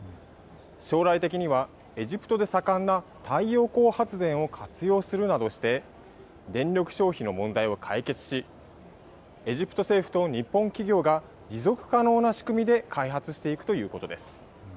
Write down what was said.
将来的にはエジプトで盛んな太陽光発電を活用するなどして電力消費の問題を解決しエジプト政府と日本企業が持続可能な仕組みで開発していくということです。